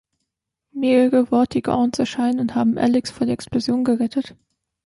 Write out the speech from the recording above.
Mehrere Vortigaunts erscheinen und haben Alyx vor der Explosion gerettet.